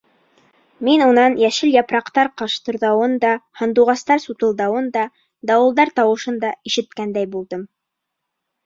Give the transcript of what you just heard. Мин унан йәшел япраҡтар ҡыштырҙауын да, һандуғастар сутылдауын да, дауылдар тауышын да ишеткәндәй булдым.